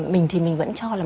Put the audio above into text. mình thì mình vẫn cho là